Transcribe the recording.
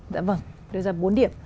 dạ vâng đưa ra bốn điểm